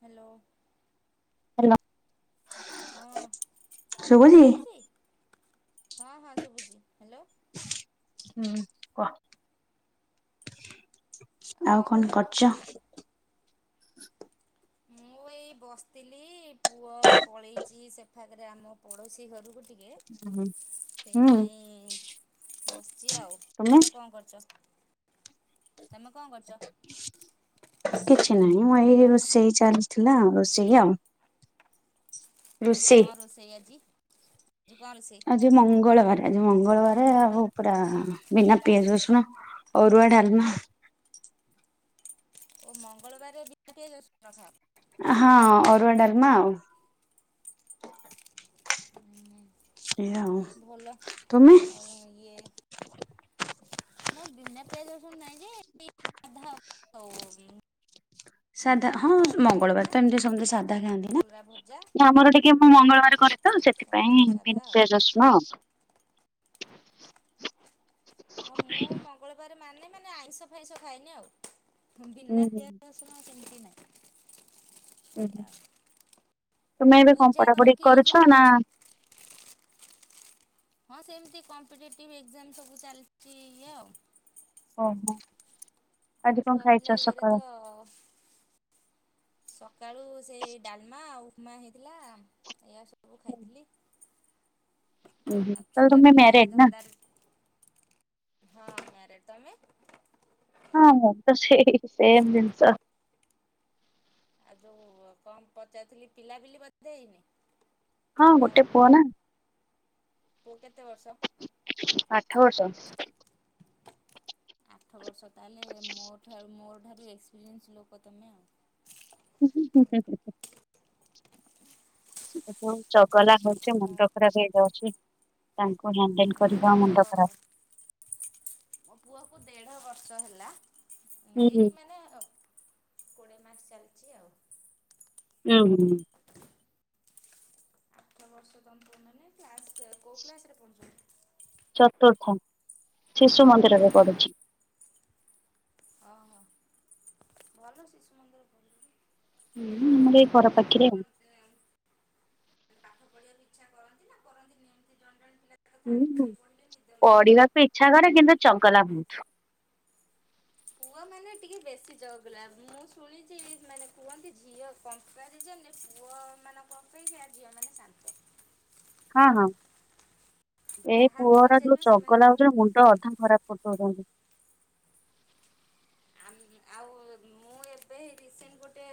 Hello. Hello. ହଁ ମୋ କଥା ଶୁଭୁଛି? ହଁ ହଁ ଶୁଭୁଛି ହ୍ୟାଲୋ? ହୁଁ କହ [inaudible] ଆଉ କଣ କରୁଛ? [inaudible] ମୁଁ ଏଇ ବସିଥିଲି ପୁଅ ପଳେଇଛି ସେଫା ଆମ ପଡୋଶୀ ଘରକୁ ଟିକେ କିଏ ହୁଁ ହୁଁ ସେଇଥି ପାଇଁ ବସିଚି଼ ଆଉ ତମେ କଣ କରୁଛ? ତମେ କଣ କରୁଛ? କିଛି ନହିଁ ମୁଁ ହ୍ୟାଲୋ ଏଇ ରୋଷେଇ ଚାଲିଥିଲା ରଷେ ଜିଅମ [inaudible] କଣ ରୋଷେଇ ଆଜି? ଆଜି କଣ ରୋଷେଇ ଆଜି ମଙ୍ଗଳବାର। ଆଜି ମଙ୍ଗଳବାର ଆଉ ପୁରା ବିନା ପିଆଜ ରସୁଣ ଅରୁଆ ଡାଲମା ଓ ମଙ୍ଗଳବାରରେ ବିନା ପିଆଜ ରସୁଣ ଖା ହଁ ଅରୁଆ ଡଲ୍ମା ଆଉ। [inaudible] ଏଇଆ ଆଉ। [inaudible] ଭଲ ତୁମେ? ଆଉ ଇଏ ଆମର ବିନା ପିଆଜରସୁଣ ନାଇଜେ ଏଇ ସାଧାଆଉ। ସାଧା ହଁ ମଙ୍ଗଳବାର ତ ଏମିତି ସମସ୍ତେ ସାଧା ଖାଆନ୍ତି ନା କଲରା ଭଜା ନା ଆମର ଟିକେ ମୁଁ ମଙ୍ଗଳବାର କରେ ତ ସେଥିପାଇଁ ସମସ୍ତେ ସାଧା ବିନ ଆଉ ପିଆଜରସୁଣ ଆଉ ହ ମୁଁ ମଙ୍ଗଳବାର ମାନେ ମାନେ ଆଇଁଷ ଫାଇଁଷ ଖାଏନି ଆଉ। ହୁଁ ବିନା ପିଆଜରସୁଣ ସେମିତି ନାହିଁ। ଉଁ ଏଇଆ ହୁଁ ଆଉ। [inaudible] ତୁମେ ମାନେ ଏବେ କଣ ପୂଜା କର ପଢାପଢି କି କରୁଛ ଯୋଉ ନା ମ [inaudible] ହଁ ସେମିତି କମ୍ପିଟେଟିଭ ଏକ୍ଜାମ ସବୁ ଚାଲିଛି ଇଏ ଆଉ ଓ ହୋ। ଛୁଆ ପିଲା ଇଏର ତ [inaudible] ସକାଳୁ ସେଇ ଡାଲମା ଆଉ ମାଆ ହେଇଥିଲା ଏଇୟା ସବୁ ଖାଇଥିଲି। ଉଁ ହୁଁ ଆଉ ଛୁଆ ତୁମେ ପିଲା ମାରେଡ୍ ନା? ଧନ୍ଦାରେ ହଁ ମ୳୲ରେଡ ତମେ? ହଁ ହଁ ତ ସେଇ ସେମ୍ ଜିନିଷ। [inaudible] ଆଉ ଯୋଉ କମ ପଚାରଥିଲି ପିଲାପିଲି ବଧେ ହେଇନି? ହଁ ଛୁଆ ଗୋଟେ ପୁଅ ନା? ପୁଅ କେ କେତେ ବର୍ଷ? ହଉ ସସ ଆଠ ବର୍ଷ ତାହେଲେ ମୋଠାରୁ ମୋର ଠାରୁ ଏକ୍ସପିରିଏନ୍ସ ଲୋକ ତମେ ଆଉ। ହୁଁ ହୁଁ ହୁଁ। [inaudible] [unintelligible] ଚ ଗଲା ହଉଛି ମୋ ମୁଣ୍ଡ ଖରାପ ହେଇଯାଉଛି। ତାଙ୍କୁ ଲଣ୍ଡନ ମୋ କରିଲା ପୁଅ ମୁଣ୍ଡ ଖରାପ। [inaudible] ଷ ହେଲା। ହୁଁ ହୁଁ। ଏଇ [inaudible] ମାନେ ଚି ଆଉ। ହୁଁ ହୁଁ। ଆଠ ବର୍ଷ ତନ୍ତ ମାନେ କୋଉ କ୍ଲାସ ରେ ପଢୁଚନ୍ତି। ଚତୁର୍ଥ ଶିଶୁ ମନ୍ଦିରରେ ପଢ଼ୁଛି। ଓହୋ ଭଲ ଶିଶୁ ମନ୍ଦିର ଭଲବି? ହୁଁ ଘର ପାଖରେ। [inaudible] ପଢିବାଆକୁ ଇଚ୍ଛା କରନ୍ତି ନା କରନ୍ତିନି ଏମିତି ଜଣେ ଜଣେ ପିଲା ତ ହୁଁ ଥାଆନ୍ତି ହୁଁ। ବହି ପଢ଼ିଲେ ନିଦ ଲାଗେ। ପଢିବାକୁ ଇଚ୍ଛା କରେ କିନ୍ତୁ ଚଗଲା ବୋହୁତ। [inaudible] ପୁଅ ମାନେ ଟିକେ ବେଶୀ ଚଗଲା। ମୁଁ ଶୁଣିଛି ମାନେ କୁହନ୍ତି ଝିଅ କମ୍ପାରିଜନେ ପୁଅ ମାନଙ୍କ ଅପେକ୍ଷା ଝିଅ ମାନେ ଶାନ୍ତ। ହଁ ହଁ। ଏଇ କାହାକୁ ପୁଅର ଯୋଉ ପଚାରିବ ସେମାନେ ଚଗଲା ହଉଛି ମୁଣ୍ଡ ଅଧା ଖରାପ କରିଦଉଚନ୍ତି। କହିବେ ଆଉ ମୁଁ ଏବେ ରିସେଣ୍ଟ ଗୋଟେ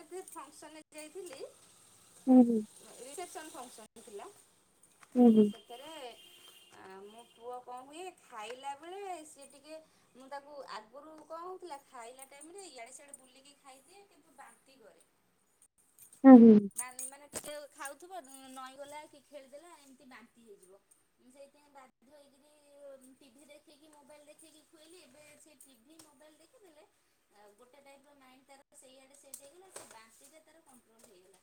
ଏବେ ଫଙ୍କସନରେ ଯାଇଥିଲି। ହୁଁ ହୁଁ ଇଟେନସନ ଫଂକ୍ସନ। ଥିଲା। ହୁଁ ହୁଁ ସେଥିରେ ଆ ମୋ ପୁଅ କଣ ହୁଏ ଖାଇଲା ବେଳେ ସିଏ ଟିକେ ମୁଁ ତାକୁ ଆ ଆଗରୁ କଣହୋଉଥିଲା ଖାଇଲା ଟାଇମରେ ଇଆଡେ ସିଆଡେ ବୁଲିକି ଖାଇଦିଏ କିନ୍ତୁ ବାନ୍ତି କରେ। ଉଁ ହୁଁ। ମାନେ ଖାଉଥିବ ନଈଗଲା କି ଖେଳିଦେଲା ଏମିତି ବାନ୍ତି ହେଇଯିବ। ସେଇଥିପାଇଁ ବାଧ୍ୟ ହେଇକରି ଟି ଭି ଦେଖକି ମୋବାଇଲ ଦେଖେଇକି ଖୁଏଇଲି। ଏବେ ସେ ଟି ଭି ମୋବାଇଲ ଦେଖିଦେଲେ ଗୋଟେ ଦାଇତ ମାଇନଡି ତାର ସେଇଆଡେ ସେଟ ହେଇଗଲା। ସେ ବାନ୍ତି ଟା ତାର କନଟୋରଲ ହେଇଗଲା।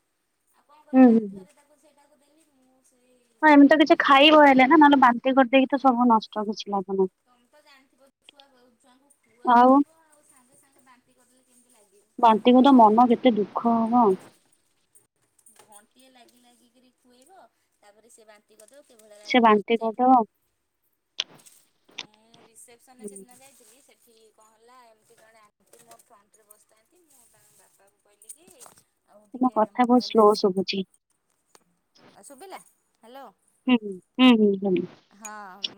ଆଉ କଣ କରିବ ହୁଁ ହୁଁ। ବାଧ୍ୟରେ ତାକୁ ସେଇଟାକୁ ଦେବି। ମୁଁ [inaudible] ହଁ ଏମିତି ତ କିଛି ଖାଇ ହୁଏନି ନା ନହେଲେ ବାନ୍ତି କରିଦେଇକି ତ ସବୁ ନଷ୍ଟ। [unintelligible] ତମେ ତ ଜାଣିଥିବ ଛୁଆ ଛୁଆଙ୍କୁ ଖୁଆଇଥିବ ଆଉ ସାଙ୍ଗେ ସାଙ୍ଗେ ବାନ୍ତି କରିଦେଲେ କେମିତି ବାନ୍ତିକୁ ତ ମନ କେତେ ଦୁଃଖ ହବ ଲାଗିବ। ଘଣ୍ଟିଏ ଲାଗି ଲାଗି ଖୁଏଇବ ତାପରେ ସେ ବାନ୍ତି କରିଦେବ ଟିକେ ଭଲ ସେ ଲାଗିବ। ବାନ୍ତି ସେଇଠୁ କରିଦବ। ମୁଁ ରିସ୍ପେସନ ରେ ସେଦିନ ଯାଇଥିଲି ଇଏ କଣ ହେଲା ଏମିତି ଜଣେ ଆଣ୍ଟି ମୋ ଫ୍ରଣ୍ଟରେ ବସିଥାନ୍ତି, ମୁଁ ତାଙ୍କ ବାପାଙ୍କୁ କହିଲି କି ଆଉ ତୁମ ଟିକେ କଥା ବହୁତ ମୋବାଇଲ୍ ଟା ସ୍ଲୋ ଶୁଭୁଛି [unintelligible] ଆ ଶୁଭିଲା। ହ୍ୟାଲୋ। ହୁଁ ହୁଁ ହୁଁ ହୁଁ। ହୁଁ ହଁ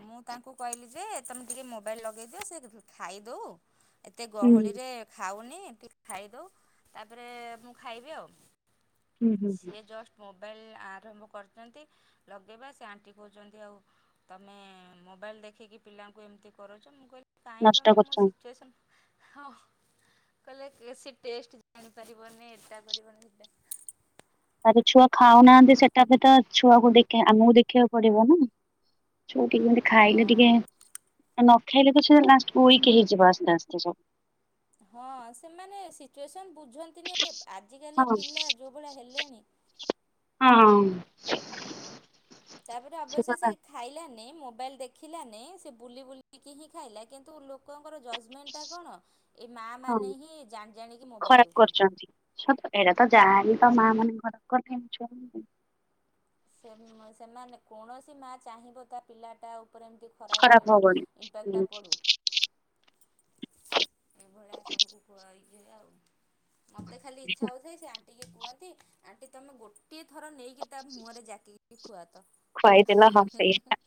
ମୁଁ ତାଙ୍କୁ କହିଲି ଯେ ତମେ ଟିକେ ମୋବାଇଲ ଲଗେଇ ଦିଅ ସେ ଖାଇଦଉ ଏତେ ହୁଁ ଗହଳି ରେ ଖାଉନି ନି ଟିକେ ଖାଇଦଉ ତାପରେ ମୁଁ ଖାଇବି ଆଉ। ହୁଁ ହୁଁ। ହୁଁ। ସିଏ ଜଷ୍ଟ ମୋବାଇଲ୍ ଆରମ୍ଭ କରିଛନ୍ତି ଲଗେଇବା ସେ ଆଣ୍ଟି କହୁଛନ୍ତି ଆଉ ତମେ ମୋବାଇଲ୍ ଦେଖିକି ପିଲାଙ୍କୁ ଏମିତି କରୁଛ ମୁଁ କହିଲି ନାଇଁ ନଷ୍ଟ ତମେ ମୋ କରୁଛନ୍ତି। ସିଚୁଏସନ୍ ହଁ କହିଲେ ସେ ଟେଷ୍ଟ କରିପାରିବନି ଏଟା କରିବନି ସେଟା ଆରେ ଛୁଆ ଆଉ ଖାଉନାହାନ୍ତି ସେଟା ବି ତ ଛୁଆକୁ ଦେଖ୍ ଆମକୁ ଦେଖିବାକୁ ପଡିବ ନା। କୋଉଠି ଏମିତି ହଁ ଖାଇଲେ ଟିକେ ଆଉ ନ ନଖାଇଲେ ତ ଛୁଆ ଲାଷ୍ଟକୁ ଉଇକ୍ ହେଇଯିବ। [unintelligible] ହଁ ସେମାନେ ସିଚୁଏସନ୍ ବୁଝନ୍ତିନି ହଁ ଆଜିକାଲିଆ ପିଲା ଯୋଉ ଭଳିଆ ହେଲେଣି ହଁ ତାପରେ ଅବଶ୍ୟ ସେ ଖାଇଲାନି ମୋ ମୋବାଇଲ୍ ଦେଖିଲାନି ସେ ବୁଲି ବୁଲିକି ହିଁ ଖାଇଲା କିନ୍ତୁ ଲୋକ ମୋର ଜଜ୍ମେଣ୍ଟ ଟା କଣ ଏ ମା ହଁ ମାନେ ହି ଜାଣି ଜାଣି କି ମୋବାଇଲ୍ ଖରାପ ଦଉଛନ୍ତି। କରୁଛନ୍ତି। ସତ ଏଇଟା ତ ଯାହାହେଲେ ତ ମା ମାନେ। [unintelligible] ସେ ସେମାନେ କୌଣସି ମା ଚାହିଁବ ତା ପିଲାଟା ଆଉ ଉପରେ ଏମିତି ଖରାପ ହବନି। ଇଫେକ୍ଟ ଟା ହୁଁ ପଡୁ। ଏଭଳିଆ ସବୁକୁ କୁଆଇ ଏଇୟା ଆଉ। ମତେ ଖାଲି ଇଚ୍ଛା ହେଉଥାଏ ସେ ଆ କୁହନ୍ତି ଆଣ୍ଟି ତମେ ଗୋ ଗୋଟିଏ ଥର ନେଇକି ତା ମୁହଁରେ ଖୁଆତ ଖୁଆଇଦେଲା ହଁ ସେଇଆ।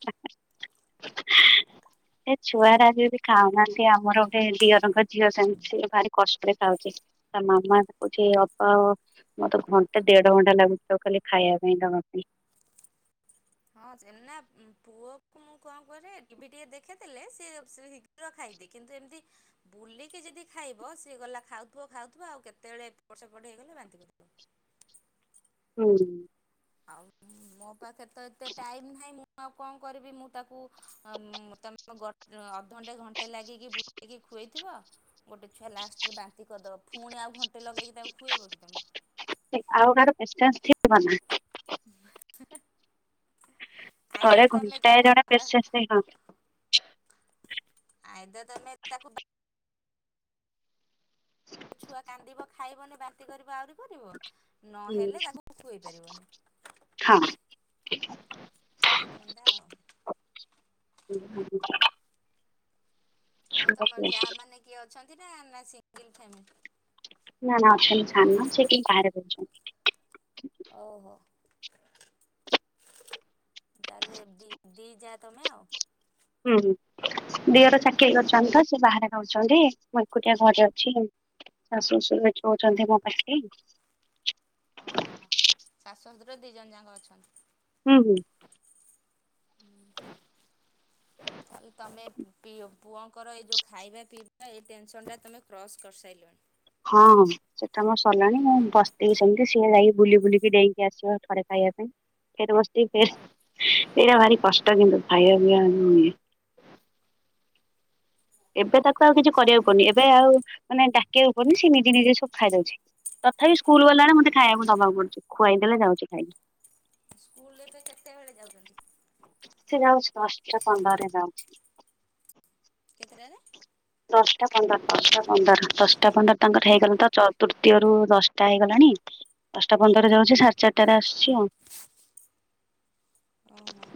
ଏ ଛୁଆରା ଆଜି ବେଶି ଖାଉନାଆନ୍ତି ଆମର ଗୋଟେ ଦିଅରଙ୍କ ଝିଅ ସେମତି ଭାରି କଷ୍ଟରେ ଖାଉଚି ତା ମାମା ତ କହୁଚି ଅପା ଆଉ ମତେ ଘଣ୍ଟେ ଦେଢ ଘଣ୍ଟା ଲାଗୁଚି ତାକୁ ଖାଲି ଖାଇଆ ପାଇଁ ଦବା ପାଇଁ। ହଁ ସେମ୍ ନା ପୁଅକୁ ମୁଁ କଅଁ କରେ ଟି ଭି ଟିକେ ଦେଖିେଇ ଦେଲେ ସିଏ ଶୀଘ୍ର ଖାଇଦିଏ। କିନ୍ତୁ ଏମିତି ବୁଲିକି ଯଦି ଖାଇବ ସିଏ ଗଲା ଖାଉଥିବ ଖାଉଥିବ ଆଉ କେତେବେଳେ ଏପଟ ସେପଟ ହେଇଗଲେ ବାନ୍ତି କରି ପକେଇବ ହୁଁ। ଆଉ ଉଁ ମୋ ପାଖରେ ତ ଏତେ ଟାଇମ୍ ନାହିଁ ମୁଁ ଆଉ କଅଁ କରିବି ମୁଁ ତାକୁ ଅମ୍-ତମେ ଘ-ଅଧଘଣ୍ଟେ ଘଣ୍ଟେ ଲାଗିକି ବୁଲେଇକି ଖୁଆଇଥିବ ଗୋଟେ ଛୁଆ ଲାଷ୍ଟରେ ବାନ୍ତି କରିଦବ ଫୁଣି ଆଉ ଘଣ୍ଟେ ଲଗେଇକି ତାକୁ ଖୁଏଇବ କି ତୁମେ? ଆଉ କାହାର ପେସେନ୍ସ ଥିବ ନା। [unintelligible] ଥରେ ଆଇଦର ତମେ ଘଣ୍ଟାଏ ତାକୁ ଜଣେ ପସେନ୍ସ ସେ ହଁ। ଆଇଦର୍ ତମେ ତାକୁ ଛୁଆ କାନ୍ଦିବ ଖାଇବନି ବାନ୍ତି କରିବ ଆଉରି କରିବ? ନହେଲେ ତାକୁ ଖୁଏଇ ପାରିବନି ଏଇ ଧନ୍ଦା ଆଉ। [unintelligible] ଆଉ ତମର ହଁ ଯାଆ ମାନେ କିଏ ଅଛନ୍ତି ନା ସିଙ୍ଗଲ୍ ଫ୍ୟାମିଲି। ନା ନା ଅଛନ୍ତି ସାନ ସେ ଟିକେ ବାହାରେ ରହୁଛନ୍ତି। ଓହୋ। ତାହେଲେ ଦି ଦି ଯା ତମେ ଆଉ। ହୁଁ ଉଁ। ଦିହର ଚାକିରି କରିଚନ୍ତି ତ ସେ ବାହାରେ ଯାଉଚନ୍ତି ମୁଁ ଏକୁଟିଆ ଘରେ ଅଛି ଆଉ ଶାଶୁ ଶଶୁର ଏଠି ରଉଚନ୍ତି ମୋ ପାଖେରେ। ଓହୋ ଶାଶୁ ଶଶୁର ଦି ଜଣ ଯାକଁ ଅଛନ୍ତି। [unintelligible] ତାଲେ ତମେ ପିଓ ପୁଅଙ୍କର ଏଇ ଯୋଉ ଖାଇବା ପିଇବା ଏ ଟେନସନଟା ତମେ କ୍ରସ୍ କରି ସାଇଲଣି। ହଁ ସେଟା ମୋ ସରିଲାଣି ମୁଁ ବସ ଥିବି ସେମିତି ସିଏ ଯାଇକି ବୁଲି ବୁଲିକି ଡେଇଁକି ଆସିବ ଥରେ ଖାଇଆ ପାଇଁ ଫେର ବସ ଥିବି ଏଇରା ଭାରି କଷ୍ଟ କିନ୍ତୁ ଖାଇବା ପିଇଆ ଇଏ ଏବେ ତ ଆଉ କିଛି କରିବାକୁ ପଡ଼ୁନି ଏବେ ଆଉ ମାନେ ଡାକିଆକୁପଡୁନି ସେ ନିଜେ ନିଜେ ସବୁ ଖାଇ ଦଉଚି ତଥାପି ସ୍କୁଲ ଗଲା ବେଳେ ମତେ ଖାଇଆକୁ ଦବାକୁ ପଡୁଚି ଖୁଆଇ ଦେେଲେ ଯାଉଚି ଖାଇିକି। ସ୍କୁଲ ଏବେ କେତେବେଳେ ଯାଉଚନ୍ତି? ସେ ଯାଉଚି ଦଶଟା ପନ୍ଦରରେ ଯାଉଚି। କେତେଟାରେ? ଦଶଟା ପନ୍ଦର ଦଶଟା ପନ୍ଦର ଦଶଟା ପନ୍ଦର ତାଙ୍କର ହେଇଗଲା ଓହୋ ତ ଚ- ତୃତୀୟରୁ ଦଶଟା ହେଇଗଲାଣି ଦଶଟା ପନ୍ଦରରେ ଯାଉଚି ସାଢେ ଚାରିଟାରେ ଆସଚି ଆଉ ଓହୋ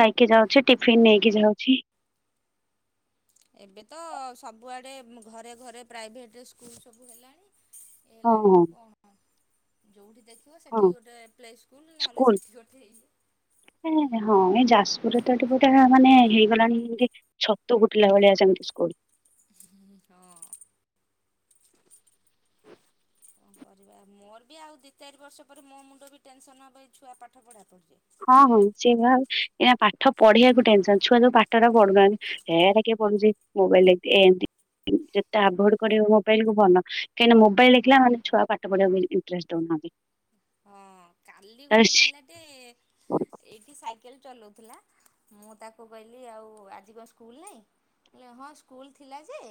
ଖାଇକି ଯାଉଚି ଟିଫନ୍ ନେଇକି ଯାଉଚି। ଏବେ ତଅ ସବୁଆଡ଼େ ଘରେ ଘରେ ପ୍ରାଇଭେଟ୍ ସ୍କୁଲ୍ ସବୁ ହେଲାଣି। ହଁ ହେଲାଣିି ହଁ ଆଉ କଣ? ଯେଉଠି। ଦେଖିବ ହଁ। ସେଠି ଗୋଟେ ପ୍ଲେ ସ୍କୁଲ ନହେଲେ ସେଠି ଗୋଟେ ଇଏ- ଯାଜକୁରେ ତ ଏଠି ପୋଟା ମାନେ ହେଇଗଲାଣି ଏମିତି ଛତୁ ଫୁଟିଲା ଭଳିଆ ସେମିତି ସ୍କୁଲ ହଁ। କଣ କରିବା ମୋର ବି ଆଉ ଦିଇ ଚାରି ବର୍ଷ ପରେ ମୋ ମୁଣ୍ଡ ବି ଟେନସନ ହବ ଏଇ ଛୁଆ ପାଠ ପଢା ପଢିଛି। ହଁ ହଁ ସେ ଭାବ ପାଠ ପଢିବାକୁ ଟେନସନ ଛୁଆ ଯୋଉ ପାଠ ଟା ପଢୁନାହାନ୍ତି। ହେ କିଏ ପଢୁଛି ମୋବାଇଲ ଦେଖ୍ ଆଭଡ କରିବ ମୋବାଇଲ କ ଭନ କାଁକି ମୋାଇଲ ଦେଖିଲା ମାନେ ଛୁଆ ପାଠ ପଢିବାକୁ ଇଣ୍ଟରେଷ୍ଟ ଦଉନାହାନ୍ତି। ହଁ କାଲି ତାପରେ ଗୋଟେ ସି ପିଲାଟେ ଏଇଠି ସାଇକେଲ ଚଲାଉଥିଲା ମୁଁ ତାକୁ କହିଲି ଆଉ ଆଜି କଣ ସ୍କୁଲ ନାହିଁ ହଁ ସ୍କୁଲ ଥିଲା ଯେ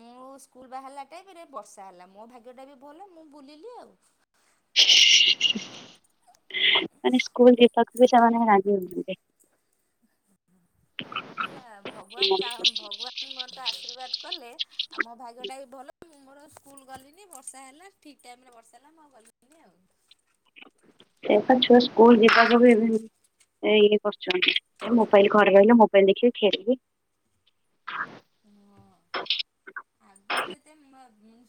ମୁଁ ସ୍କୁଲ ବାହାରିଲା ଟାଇ ବର୍ଷା ହେଲା ମୋ ଭାଗ୍ୟ ଟା ବି ଭଲ ମୁଁ ବୁଲିଲି ଆଉ। ମାନେ ସ୍କୁଲ ଯିବାକୁ ବି ରାଜି ହେଉନାହାନ୍ତି। ହେଲା ଭଗବାନ ଭଗବାନ ମତେ ଆଶୀର୍ବାଦ କଲେ ଆଉ ମୋ ଭାଗ୍ୟ ଟା ବି ଭଲ ମୋର। ସ୍କୁଲ ଗଲିଣିି ବର୍ଷା ହେଲା ଠିକ ଟାଇମ ରେ ବର୍ଷା ହେଲା ମୁଁ ଗଲିି ଆଉ। ଏ ଛୁଆ ସ୍କୁଲ ଯିବାକୁ ବି ଇଏ କରୁଛନ୍ତି ମୋବାଇଲ ଘରେ ରହିଲେ ମୋବାଇଲ ଦେଖିକି ଖେଳିବି। ହୁ ଆଗରୁ ଯେତେ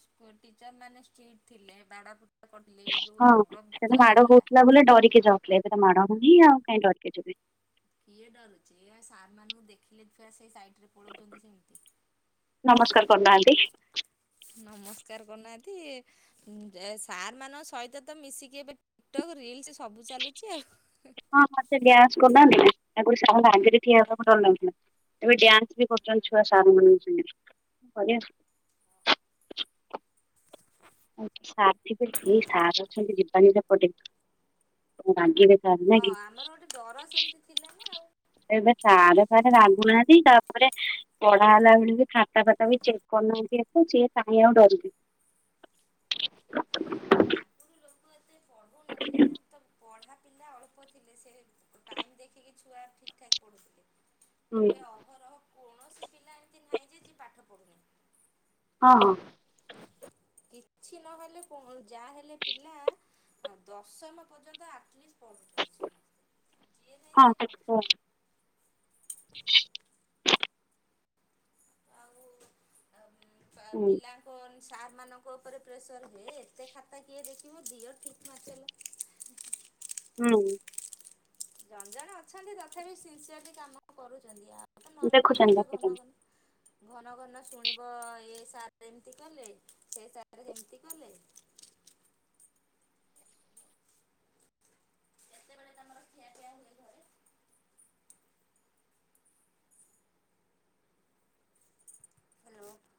ସ୍କୁଲ ଟିଚର ମାନେ ଷ୍ଟ୍ରିଟ୍ ଥିଲେ। ପିଟା କରିଥିଲେ ଏଇ ଯୋଉ ହଁ ଦଣ୍ଡ ସେଟା ତ ମାଡ ହେଇଗଲା ହଉଥିଲା ବୋଲି ଡରିକି ଯାଉଥିଲେ। ମାଡ ହଉନି ଆଉ କାଇଁ ଡରିକ ଯିବି। କିଏ ଡରୁଛି ସାର୍ ମାନଙ୍କୁ ଦେଖିଲେ ସେଇ ପଳଉଛନ୍ତି ସେମିତି। ନମସ୍କାର କରୁନାହାନ୍ତି? ନମସ୍କାର କରୁନାହାନ୍ତି ସାର୍ ମାନଙ୍କ ସହିତ ତ ମିଶିକି ଏବେ ଟିକଟକ୍ ରିଲ୍ସ୍ ସବୁ ଚାଲୁଛି ଆଉ। ହଁ ମତେ ଡାନ୍ସ କରୁନାହାନ୍ତି ଆଗରୁ ସାର ଙ୍କ ଆଗରେ ଠିଆ ହେବାକୁ ଡର ଲାଗୁଥିଲା ଏବେ ଡ୍ୟାନ୍ସ ବି କରୁଛନ୍ତି ଛୁଆ ସାର ମାନଙ୍କ ସାଙ୍ଗେ ସାର୍ ଥିବେ ଏ ସାର୍ ଅଛନ୍ତି ଯିବାନି ସେପଟେ ରାଗିବେ ହଁ କି ଆମର ଗୋଟେ ଡର ସେମିତି ଥିଲା ନା ଆଉ। ଏବେ ସାର ଫାରେ ରାଗୁନାହାନ୍ତି। ତାରେ ପଢା ହେଲା ବେଳେ ବି ଖାତା ଫାତା ବି ଚେକ୍ କରିନାହାନ୍ତି ଏ ତ ସିଏ କାଇଁ ଆଉ ଡରନ୍ତି। ଆଗରୁ ଲୋକ ଏତେ ପଢ଼ଉନଥିଲେ ହ। ନା ତ ପଢ଼ା ପିଲା ଅଳ୍ପ ଥିଲେ ସେ ଟାଇମ ଦେଖିକି ଛୁଆ ଠିକ ଠାକ ପଢୁଥଲେ। ହୁଁ ଏବେ ଅହରହ କୌଣସି ପିଲା ଏମିତି ନାହିଁ ଯେ ଯିଏ ପାଠ ପଢୁନି। ହଁ ହଁ। କିଛି ନହେଲେ ଯାହାହେଲେ ପିଲା ଦଶମ ପର୍ଯ୍ୟନ୍ତ ଆଟଲିଷ୍ଟ। ପଢ଼ୁଛନ୍ତି ସମସ୍ତେ। ଯିଏ ନାହିଁ ହଁ ସିଏ ସତ ପଢ଼ୁଛନ୍ତି ଆଉ ହୁଁ ପିଲାଙ୍କ ସାର୍ମାନଙ୍କ ଉପରେ ପ୍ରେସର ହୁଏ ଏତେ ଖାତା କିଏ ଦେଖିବ ଦିଅ ଠିକ୍ ମାଚଲ ହୁଁ। ଜଣଜଣେ ଅଛନ୍ତି ତଥାପି ସିନସିୟରଲି ବି କାମ କରୁଛନ୍ତି ଆଉ। ତ ନହେଲେ ଦେଖୁଛନ୍ ନ୍ୟୁଜରେ ଘନ ଦେଖୁଛନ୍ ଘନ ଘନ ଘନ ଶୁଣିବ ଏ ସାର ଏମତି କଲେ ସେ ସାର ସେମିତି କଲେ କେତେବେଳେ ତମର ଠିଆଠିଆ ହୁଏ ଘରେ ହ୍ୟାଲୋ।